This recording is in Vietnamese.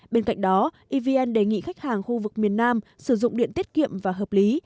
bên cạnh đó evn đề nghị khách hàng khu vực miền nam sử dụng điện tiết kiệm và hợp lý